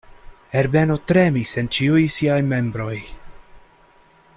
Herbeno tremis en ĉiuj siaj membroj.